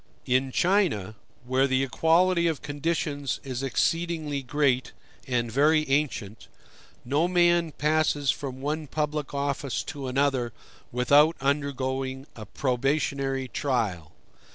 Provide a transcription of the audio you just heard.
In China, where the equality of conditions is exceedingly great and very ancient, no man passes from one public office to another without undergoing a probationary trial.